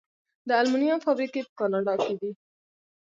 د المونیم فابریکې په کاناډا کې دي.